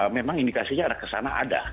memang indikasinya ada kesana ada